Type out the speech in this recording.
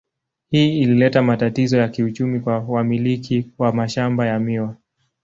Hii ilileta matatizo ya kiuchumi kwa wamiliki wa mashamba ya miwa.